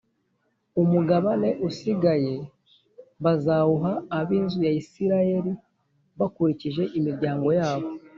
umugabane usigaye bazawuha ab’inzu ya Isirayeli bakurikije imiryango yabo